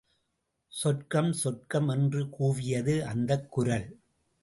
சொர்க்கம் சொர்க்கம் என்று கூவியது அந்தக் குரல்.